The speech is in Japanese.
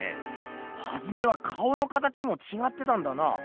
はじめは顔の形もちがってたんだな。